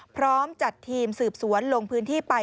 พร้อมจัดทีมสืบสวนลงพื้นที่ไป